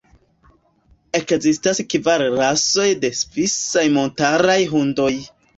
Ekzistas kvar rasoj de svisaj montaraj hundoj.